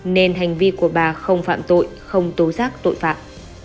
nên hành vi của bà không phạm tội không tố giác tội phạm